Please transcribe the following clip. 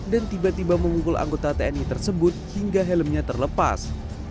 tiba tiba memukul anggota tni tersebut hingga helmnya terlepas